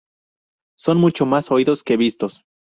Son mucho más oídos que vistos.